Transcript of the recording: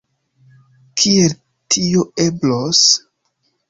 Kiel tio eblos?